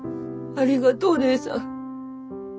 ありがとお姉さん。